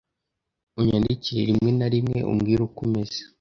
Unyandikire rimwe na rimwe umbwire uko umeze.